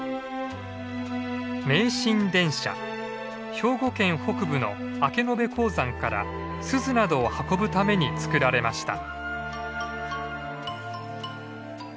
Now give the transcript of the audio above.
兵庫県北部の明延鉱山からスズなどを運ぶために造られました。